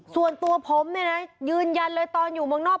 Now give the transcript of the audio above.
ส่วนตัวผมเนี่ยนะยืนยันเลยตอนอยู่เมืองนอก